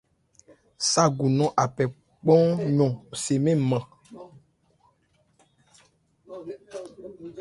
Ságu nɔn a phɛ kpán-yɔn se mɛ́n nman.